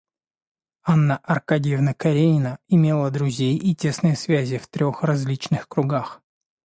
Анна Аркадьевна Каренина имела друзей и тесные связи в трех различных кругах.